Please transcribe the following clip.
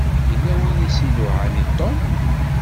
Yella win i s-iluɛan i Tom.